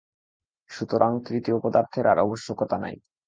সুতরাং তৃতীয় পদার্থের আর আবশ্যকতা নাই।